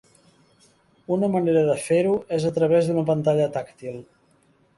Una manera de fer-ho és a través d'una pantalla tàctil.